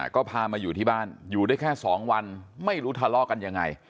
ก็พามาอยู่ที่บ้านอยู่ได้แค่๒วันไม่รู้ทะเลาะกันยังไง